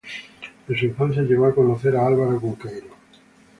En su infancia llegó a conocer a Álvaro Cunqueiro.